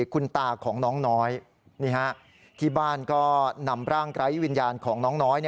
คุณตาของน้องน้อยที่บ้านก็นำร่างไร้วิญญาณของน้องน้อย